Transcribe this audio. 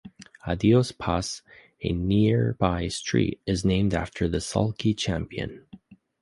Adios Pass, a nearby street, is named after the sulky champion.